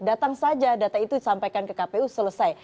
datang saja data itu disampaikan ke kpu selesai